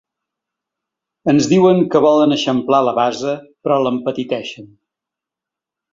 Ens diuen que volen eixamplar la base però l’empetiteixen.